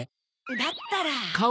だったら。